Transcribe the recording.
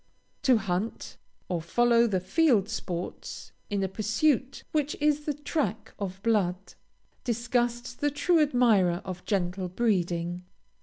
To hunt, or follow the field sports, in a pursuit which is the track of blood, disgusts the true admirer of gentle breeding.